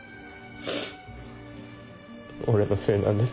俺のせいなんです。